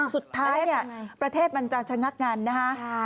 สุดท้ายเนี่ยประเทศมันจะชะงักงานนะคะ